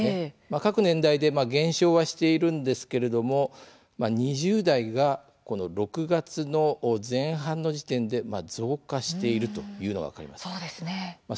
各年代で減少はしているんですが２０代が６月前半の時点で増加しているのが分かります。